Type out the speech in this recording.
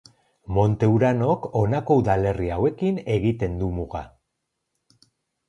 Monte Uranok honako udalerri hauekin egiten du muga.